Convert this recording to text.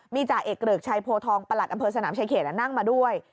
มีจ่าเอกเกริกชัยโพทองประหลัดอำเภอสนามชายเขตนั่งมาด้วย